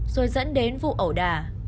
rồi dẫn đến vụ ẩu đà